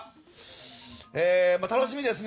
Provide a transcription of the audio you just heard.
楽しみですね。